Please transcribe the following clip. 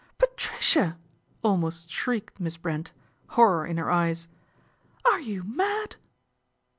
" Patricia !" almost shrieked Miss Brent, horror in her eyes. " Are you mad